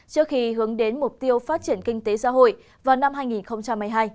trước khi hướng đến mục tiêu phát triển kinh tế xã hội vào năm hai nghìn hai mươi hai